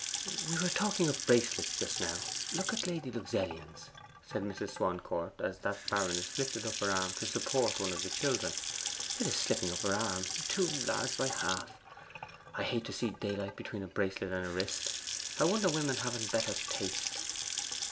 'We were talking of bracelets just now. Look at Lady Luxellian's,' said Mrs. Swancourt, as that baroness lifted up her arm to support one of the children. 'It is slipping up her arm too large by half. I hate to see daylight between a bracelet and a wrist; I wonder women haven't better taste.